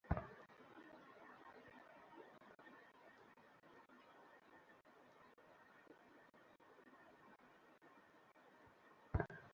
এটা কোথায় পেলেন?